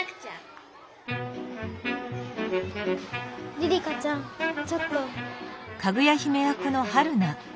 梨々花ちゃんちょっと。